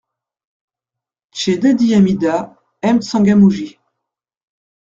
CHE DADY HAMIDA, M'Tsangamouji